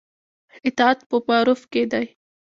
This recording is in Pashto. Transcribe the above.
اطاعت په معروف کې دی